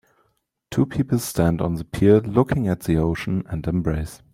Two people stand on the pier looking at the ocean and embrace